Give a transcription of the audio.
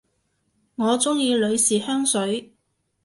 我鍾意女士香水